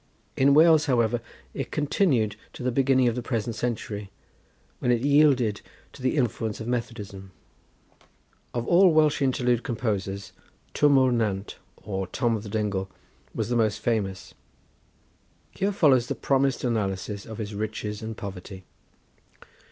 In Wales, however, it continued to the beginning of the present century, when it yielded to the influence of Methodism. Of all Welsh interlude composers, Twm O'r Nant, or Tom of the Dingle, was the most famous. Here follows the promised analysis of his "Riches and Poverty."